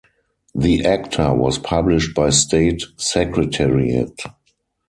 The acta was published by state secretariat.